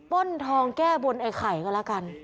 ้นทองแก้บนไอ้ไข่ก็แล้วกัน